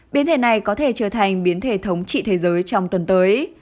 biến thể này có thể trở thành biến thể thống trị thế giới trong tuần tới